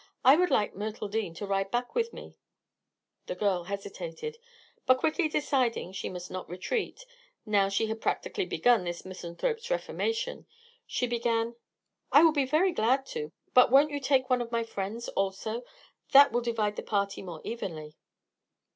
I would like Myrtle Dean to ride back with me." The girl hesitated, but quickly deciding she must not retreat, now she had practically begun the misanthrope's reformation, she replied: "I will be very glad to. But won't you take one of my friends, also? That will divide the party more evenly."